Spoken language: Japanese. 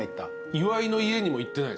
岩井の家にも行ってないです。